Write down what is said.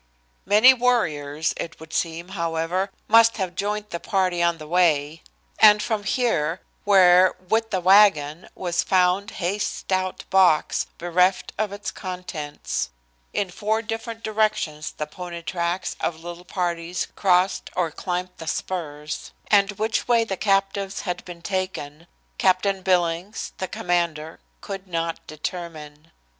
Many warriors it would seem, however, must have joined the party on the way, and from here, where with the wagon was found Hay's stout box, bereft of its contents, in four different directions the pony tracks of little parties crossed or climbed the spurs, and which way the captives had been taken, Captain Billings, the commander, could not determine.